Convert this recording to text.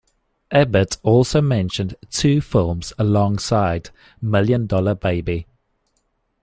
Ebert also mentioned two films alongside "Million Dollar Baby".